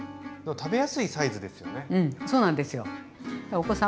食べやすいサイズですよね。